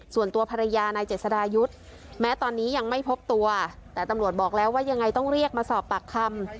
ส่วนตัวภรรยานายเจษดายุทธ์แม้ตอนนี้ยังไม่พบตัวแต่ตำรวจบอกแล้วว่ายังไงต้องเรียกมาสอบปากคำ